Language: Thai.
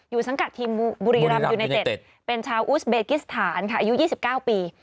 สังกัดทีมบุรีรำยูไนเต็ดเป็นชาวอุสเบกิสถานค่ะอายุ๒๙ปี